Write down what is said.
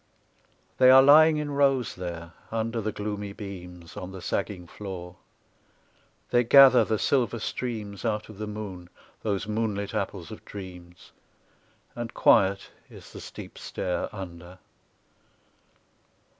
They are lying in rows there, under the gloomy beams ; On the sagging floor ; they gather the silver streams Out of the moon, those moonlit apples of dreams, And quiet is the steep stair under.